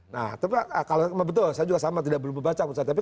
nah kalau betul saya juga sama tidak perlu membaca putusan judek paksi